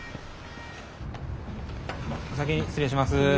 お先に失礼します。